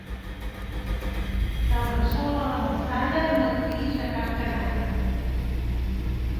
Del bressol a la mortalla no et fiïs de cap canalla.